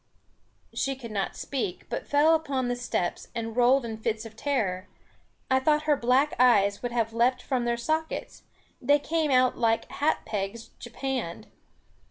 She could not speak, but fell back upon the steps, and rolled in fits of terror. I thought her black eyes would have leaped from their sockets; they came out like hat pegs japanned.